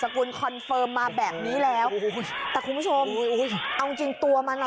กุลคอนเฟิร์มมาแบบนี้แล้วโอ้โหแต่คุณผู้ชมเอาจริงจริงตัวมันอ่ะ